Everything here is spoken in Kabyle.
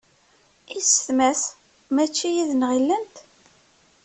I yessetma-s? Mačči yid-neɣ i llant?